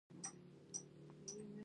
میکروبونه څه دي او چیرته اوسیږي